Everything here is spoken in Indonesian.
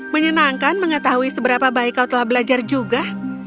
menyenangkan mengetahui seberapa baik kau telah belajar juga